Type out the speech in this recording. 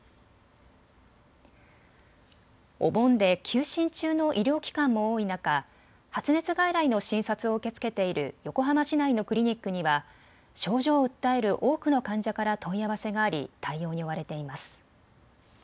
お盆で休診中の医療機関も多い中、発熱外来の診察を受け付けている横浜市内のクリニックには症状を訴える多くの患者から問い合わせがあり対応に追われています。